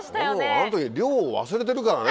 あの時量を忘れてるからね